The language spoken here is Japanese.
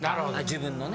自分のね。